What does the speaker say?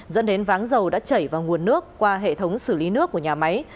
dẫn đến váng dầu đã chảy vào nguồn nước qua hệ thống xử lý nước của nhà máy